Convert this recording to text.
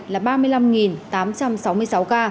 là ba mươi năm tám trăm sáu mươi sáu ca